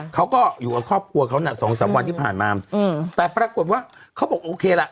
เขาก็อยู่กับครอบครัวเขาน่ะสองสามวันที่ผ่านมาอืมแต่ปรากฏว่าเขาบอกโอเคล่ะ